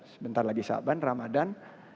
sebentar lagi saban ramadhan